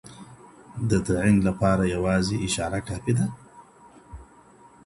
د تعین لپاره یوازې اشاره کافي ده؟